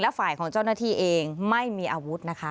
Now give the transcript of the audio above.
ฝ่ายของเจ้าหน้าที่เองไม่มีอาวุธนะคะ